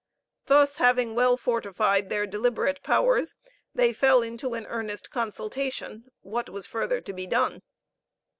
Thus having well fortified their deliberate powers, they fell into an earnest consultation what was further to be done.